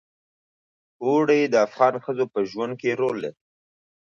اوړي د افغان ښځو په ژوند کې رول لري.